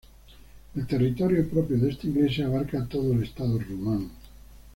El territorio propio de esta Iglesia abarca todo el Estado rumano.